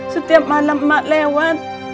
setiap malam mak lewat